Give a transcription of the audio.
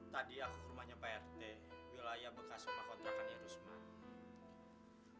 tadi aku ke rumahnya prt wilayah bekas pemakotrakan ya rusman